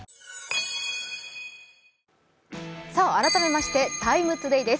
改めまして、「ＴＩＭＥ，ＴＯＤＡＹ」です。